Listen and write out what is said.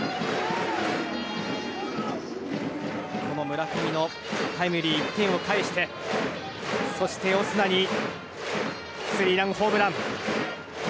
村上のタイムリーで１点を返してそしてオスナにスリーランホームラン。